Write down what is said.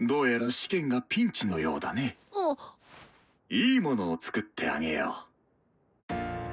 いいものを作ってあげよう。